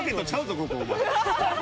ここお前。